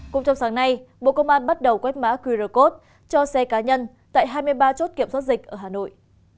cũng trong sáng nay bộ công an bắt đầu quét mã qr code cho xe cá nhân tại hai mươi ba chốt kiểm soát dịch ở hà nội